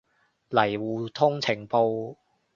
嚟互通情報